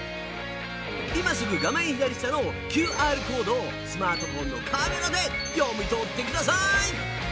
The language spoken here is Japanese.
今すぐ画面左下のＱＲコードをスマートフォンのカメラで読み取ってください。